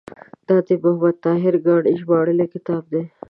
دا د محمد طاهر کاڼي ژباړلی کتاب دی.